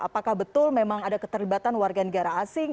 apakah betul memang ada keterlibatan warga negara asing